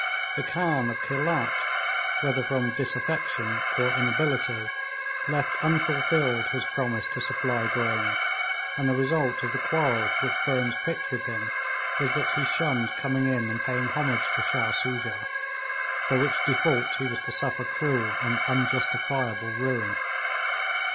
The Khan of Khelat, whether from disaffection or inability, left unfulfilled his promise to supply grain, and the result of the quarrel which Burnes picked with him was that he shunned coming in and paying homage to Shah Soojah, for which default he was to suffer cruel and unjustifiable ruin.